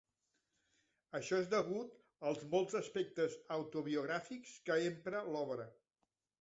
Això és degut als molts aspectes autobiogràfics que empra en l'obra.